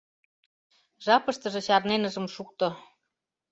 Жапыштыже чарнен ыжым шукто.